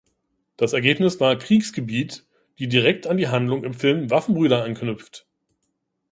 Das Ergebnis war "Kriegsgebiet," die direkt an die Handlung im Film "Waffenbrüder" anknüpft.